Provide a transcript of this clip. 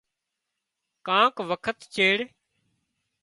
ڪانڪ وکت چيڙ